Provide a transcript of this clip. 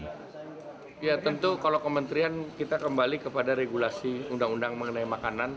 ya tentu kalau kementerian kita kembali kepada regulasi undang undang mengenai makanan